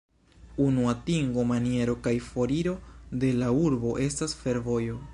Unu atingo-maniero kaj foriro de la urbo estas fervojo.